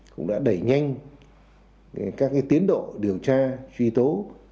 cũng đã đẩy nhanh các tiến độ điều tra truy tố